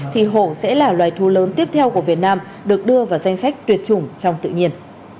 thì hộ sẽ là loài thu lớn tiếp theo của việt nam được đưa vào danh sách tuyệt chủng trong tự nhiên